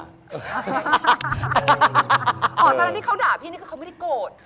ตอนนั้นที่เขาด่าพี่นี่คือเขาไม่ได้โกรธ